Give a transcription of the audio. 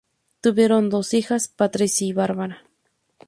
Tuvieron dos hijas, Patricia y Bárbara.